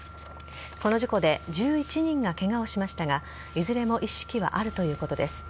この事故で１１人がケガをしましたがいずれも意識はあるということです。